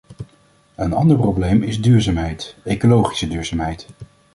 Een ander probleem is duurzaamheid - ecologische duurzaamheid.